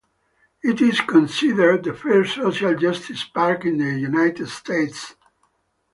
It is considered the first social justice park in the United States.